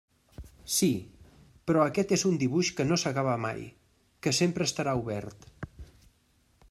Sí, però aquest és un dibuix que no s'acaba mai, que sempre estarà obert.